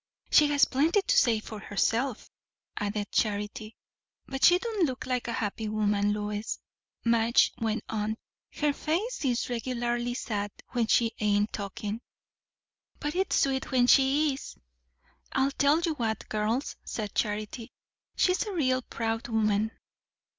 "She has plenty to say for herself," added Charity. "But she don't look like a happy woman, Lois," Madge went on. "Her face is regularly sad, when she ain't talking." "But it's sweet when she is." "I'll tell you what, girls," said Charity, "she's a real proud woman."